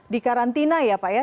di karantina ya pak ya